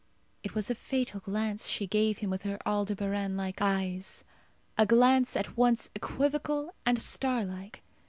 It was a fatal glance she gave him with her Aldebaran like eyes a glance at once equivocal and starlike.